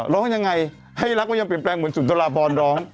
ร้องยังไงให้รักยามเปลี่ยนแปลงเหมือนศุลกราบรรย์ร้อง